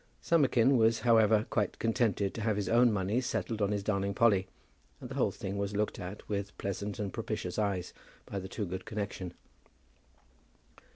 Summerkin was, however, quite contented to have his own money settled on his darling Polly, and the whole thing was looked at with pleasant and propitious eyes by the Toogood connection.